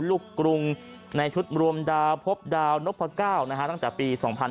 ลูกกรุงในชุดรวมดาวพบดาวนกพะเก้านะฮะตั้งจากปีสองพัน